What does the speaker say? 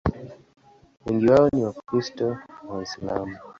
Wengi wao ni Wakristo na Waislamu.